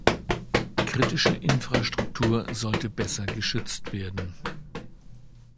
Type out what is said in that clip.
Kritische Infrastruktur sollte besser geschützt werden.